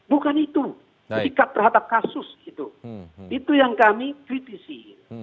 bukan itu sikap terhadap kasus itu itu yang kami kritisi